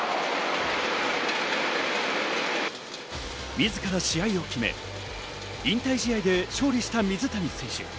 自ら試合を決め、引退試合で勝利した水谷選手。